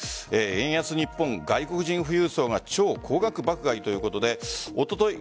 円安日本、外国人富裕層が超高額爆買いということでおととい